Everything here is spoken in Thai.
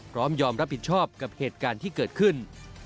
พร้อมยอมรับผิดชอบกับเหตุการณ์ที่เกิดขึ้น